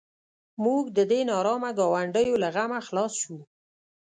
موږ د دې نارامه ګاونډیو له غمه خلاص شوو.